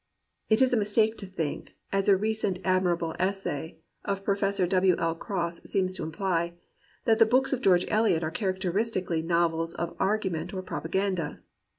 It is a mistake to think (as a recent admirable essay of Professor W. L. Cross seems to imply) that the books of George Eliot are characteristically novels of argument or propaganda.